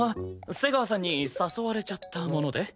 瀬川さんに誘われちゃったもので。